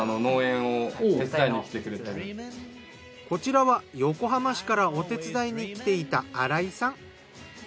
こちらは横浜市からお手伝いにきていた新井さん。